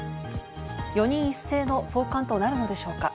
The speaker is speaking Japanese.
４人一斉の送還となるのでしょうか。